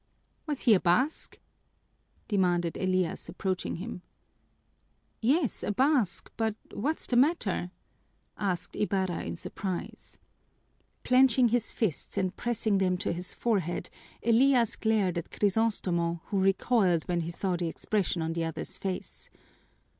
"Was he a Basque?" demanded Elias, approaching him. "Yes, a Basque but what's the matter?" asked Ibarra in surprise. Clenching his fists and pressing them to his forehead, Elias glared at Crisostomo, who recoiled when he saw the expression on the other's face.